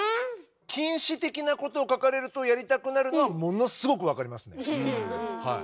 禁止的なことを書かれるとやりたくなるのはものすごく分かりますねはい。